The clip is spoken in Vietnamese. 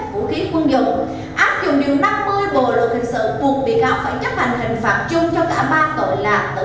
vũ khí quân dụng áp dụng điểm năm mươi vô luật lực sự vụt bị cáo phải chấp hành hình phạm chung cho cả ba tội là tử hình